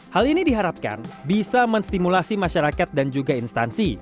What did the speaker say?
hal ini diharapkan bisa menstimulasi masyarakat dan juga instansi